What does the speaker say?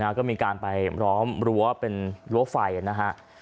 ก็มีการไปล้อมรั้วเป็นรั้วไฟนะฮะ